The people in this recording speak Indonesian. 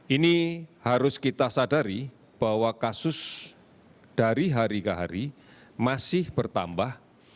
ini harus kita sadari bahwa kasus dari hari ke hari masih bertambah